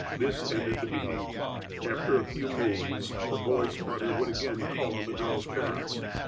This ended the meeting. After a few *' moons," the boy's mother would again call on the girl's parents.